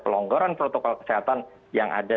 pelonggaran protokol kesehatan yang ada